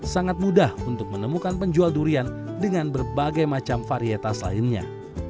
sangat mudah untuk menemukan penjual durian dengan berbagai macam varietas lainnya